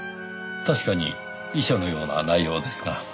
確かに遺書のような内容ですが。